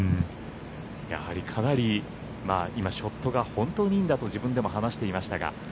やはりかなり今、ショットが本当にいいんだと自分でも話していましたが。